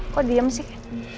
kok diem sih